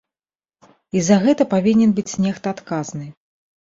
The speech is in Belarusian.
І за гэта павінен быць нехта адказны.